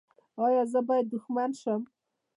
ایا زه باید دښمن شم؟